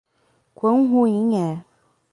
Quão ruim é